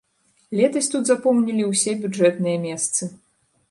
Летась тут запоўнілі ўсе бюджэтныя месцы.